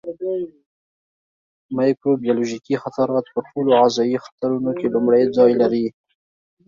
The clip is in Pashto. مایکروبیولوژیکي خطرات په ټولو غذایي خطرونو کې لومړی ځای لري.